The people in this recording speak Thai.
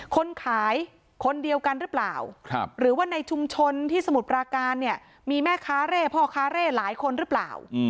คนขายคนเดียวกันหรือเปล่าหรือว่าในชุมชนที่สมุทรปราการเนี่ยมีแม่ค้าเร่พ่อค้าเร่หลายคนหรือเปล่า